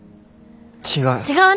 違う。